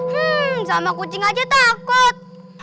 hmm sama kucing aja takut